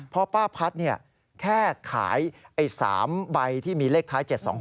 เพราะป้าพัฒน์แค่ขาย๓ใบที่มีเลขท้าย๗๒๖